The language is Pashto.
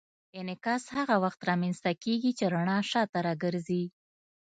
انعکاس هغه وخت رامنځته کېږي چې رڼا شاته راګرځي.